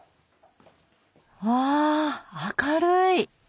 わあ明るい！